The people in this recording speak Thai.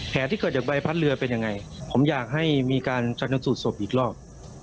ที่เกิดจากใบพัดเรือเป็นยังไงผมอยากให้มีการชนสูตรศพอีกรอบ